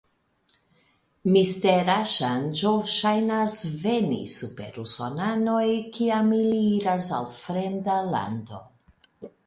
Mistera ŝanĝo ŝajnas veni super usonanoj kiam ili iras al fremda lando.